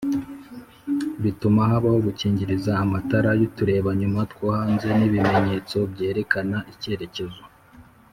Bituma habaho gukingiriza amatara y’turebanyuma two hanze n’ibimenyetso byerekana icyerekezo